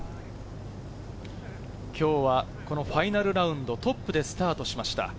今日はファイナルラウンド、トップでスタートしました。